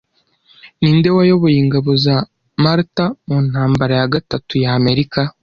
Ninde wayoboye ingabo za Maratha mu ntambara ya gatatu ya amerika